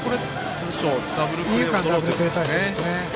二遊間ダブルプレー態勢ですね。